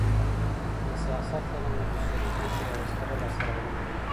د سياست علم د بشري فکر يوه ستره لاسته راوړنه ده.